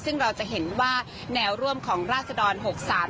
ซึ่งเราจะเห็นว่าแนวร่วมของราศดร๖๓